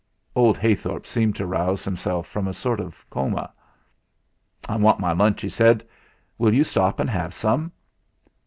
Old Heythorp seemed to rouse himself from a sort of coma. "I want my lunch," he said. "Will you stop and have some?"